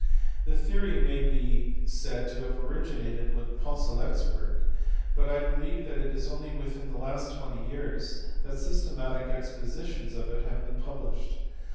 The theory may be said to have originated with Poncelet s work, but I believe that it is only within the last twenty years that systematic expositions of it have been published.